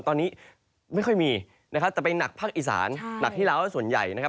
ตอนนี้ไม่ค่อยมีนะครับแต่ไปหนักภาคอีสานหนักที่แล้วส่วนใหญ่นะครับ